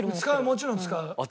もちろん使う。